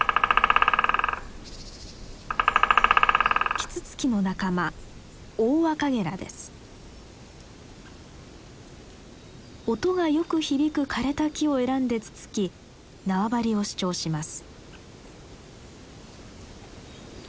キツツキの仲間音がよく響く枯れた木を選んでつつき縄張りを主張します。